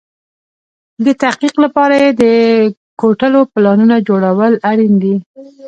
د تحقق لپاره يې د کوټلو پلانونو جوړول اړين دي.